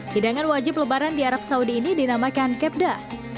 hidangan wajib lebaran di arab saudi ini dinamakan kepda